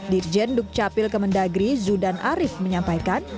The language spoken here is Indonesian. dirjen dukcapil kemendagri zudan arief menyampaikan